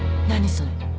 それ。